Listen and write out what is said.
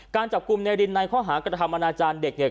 การจับคุมในรินในความขาดกรรมนาจารย์เด็กเนี่ย